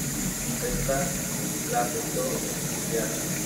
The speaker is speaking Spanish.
Ésta la aceptó como su filial.